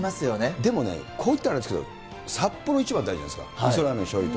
でもね、こう言ったらなんですけど、サッポロ一番ってあるじゃないですか、みそラーメン、しょうゆと。